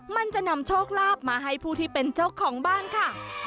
มันจะนำโชคลาภมาให้ผู้ที่เป็นเจ้าของบ้านค่ะ